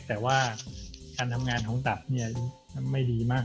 แต่ว่าการทำงานของตับเนี่ยไม่ดีมาก